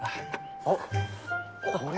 あっこれ。